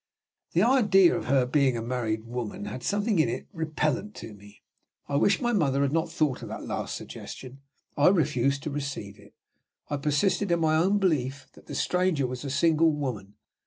The idea of her being a married woman had something in it repellent to me. I wished my mother had not thought of that last suggestion. I refused to receive it. I persisted in my own belief that the stranger was a single woman.